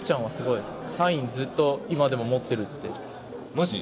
マジ？